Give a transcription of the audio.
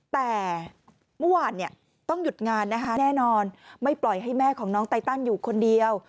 แต่เมื่อวานต้องหยุดงานนะคะแน่นอนไม่ปล่อยให้แม่ของน้องไตตันอยู่คนเดียว